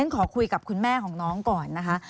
ขอคุยกับคุณแม่ของน้องก่อนนะคะ